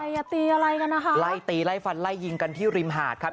อย่าตีอะไรกันนะคะไล่ตีไล่ฟันไล่ยิงกันที่ริมหาดครับ